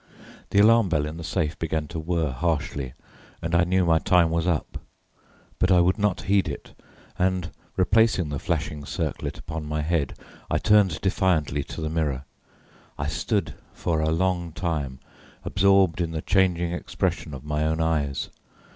The alarm bell in the safe began to whirr harshly, and I knew my time was up; but I would not heed it, and replacing the flashing circlet upon my head I turned defiantly to the mirror. I stood for a long time absorbed in the changing expression of my own eyes.